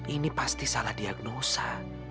ini pasti salah diagnosa